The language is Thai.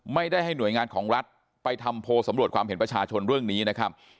ให้หน่วยงานของรัฐไปทำโพลสำรวจความเห็นประชาชนเรื่องนี้นะครับ